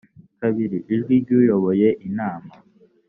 kabiri ijwi ry uyoboye inama